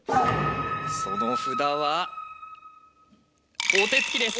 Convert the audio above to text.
その札はおてつきです！